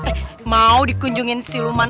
eh mau dikunjungin siluman